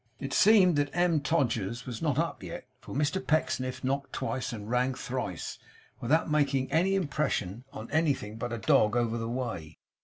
It seemed that M. Todgers was not up yet, for Mr Pecksniff knocked twice and rang thrice, without making any impression on anything but a dog over the way.